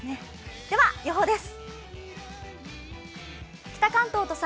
では、予報です。